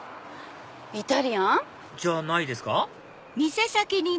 イタリアン？じゃないですか？